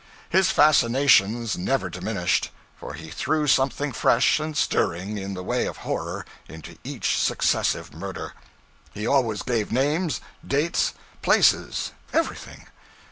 His fascinations never diminished, for he threw something fresh and stirring, in the way of horror, into each successive murder. He always gave names, dates, places everything.